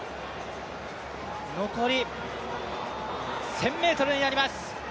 残り１０００ｍになります。